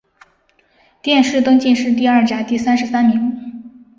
殿试登进士第二甲第三十三名。